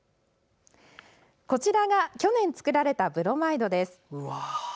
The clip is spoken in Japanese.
こちらが去年作られたブロマイドです。